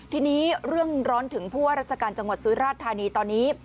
ทีนี้เรื่องร้อนถึงผู้ว่าราชการจังหวัดสุราชธานีตอนนี้